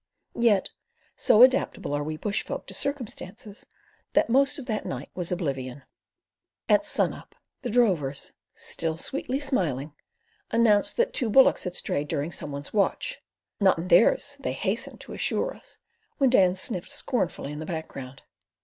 Yet so adaptable are we bush folk to circumstances that most of that night was oblivion. At sun up, the drovers, still sweetly smiling, announced that two bullocks had strayed during some one's watch. Not in theirs, they hastened to assure us, when Dan sniffed scornfully in the background.